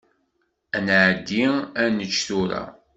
Ad nɛeddi ad nečč tura.